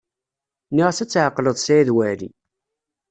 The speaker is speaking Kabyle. Nniɣ-as ad tɛeqleḍ Saɛid Waɛli.